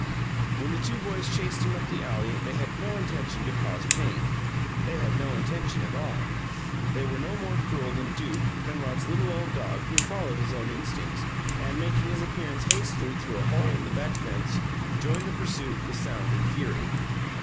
When the two boys chased him up the alley they had no intention to cause pain; they had no intention at all. They were no more cruel than Duke, Penrod's little old dog, who followed his own instincts, and, making his appearance hastily through a hole in the back fence, joined the pursuit with sound and fury.